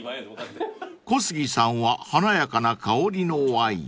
［小杉さんは華やかな香りのワイン］